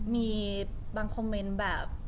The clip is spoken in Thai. มีบางคอมเมนต์แบบ